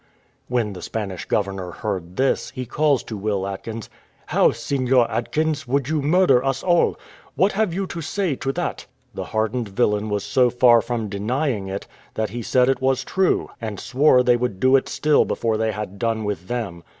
When the Spanish governor heard this, he calls to Will Atkins, "How, Seignior Atkins, would you murder us all? What have you to say to that?" The hardened villain was so far from denying it, that he said it was true, and swore they would do it still before they had done with them.